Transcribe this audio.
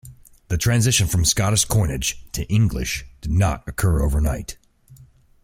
The transition from Scottish coinage to English did not occur overnight.